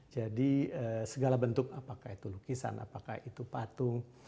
jadi segala bentuk apakah itu lukisan apakah itu patung